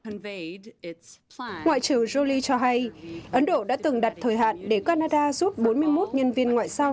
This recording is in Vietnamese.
ngoại trưởng jolie cho hay ấn độ đã từng đặt thời hạn để canada rút bốn mươi một nhân viên ngoại giao